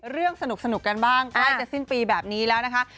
เรื่องสนุกกันบ้างใกล้จะสิ้นปีแบบนี้แล้วนะคะ